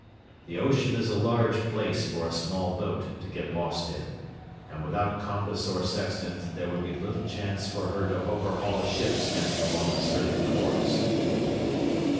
The ocean is a large place for a small boat to get lost in, and without compass or sextant there would be little chance for her to overhaul a ship standing along a certain course.